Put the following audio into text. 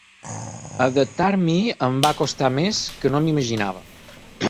Adaptar-m’hi em va costar més que no m’imaginava.